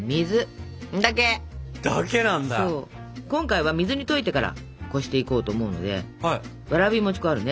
今回は水に溶いてからこしていこうと思うのでわらび餅粉あるね？